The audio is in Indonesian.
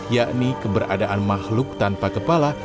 yakni keberadaan makhluk tanpa kepala